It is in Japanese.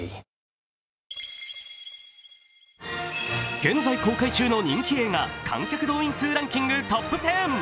現在公開中の人気映画観客動員数トップ１０。